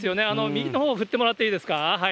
右のほう振ってもらっていいですか。